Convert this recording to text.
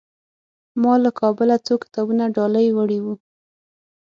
ما له کابله څو کتابونه ډالۍ وړي وو.